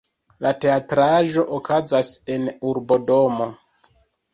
La teatraĵo okazas en urbodomo.